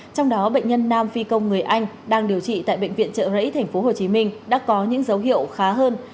trong đó bệnh nhân nam phi công người anh đang điều trị tại bệnh viện trợ rẫy tp hcm đã có những dấu hiệu khá hơn